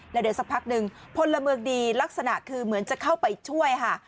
แล้วเดี๋ยวสักพักหนึ่งพลเมืองดีลักษณะคือเหมือนจะเข้าไปช่วยค่ะ